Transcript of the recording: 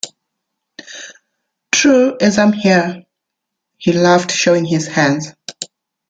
“True as I’m here!” he laughed, showing his hands.